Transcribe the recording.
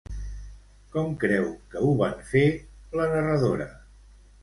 Com creu que ho van fer, la narradora?